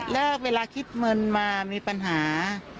แล้วเวลาคิดเงินมามีปัญหา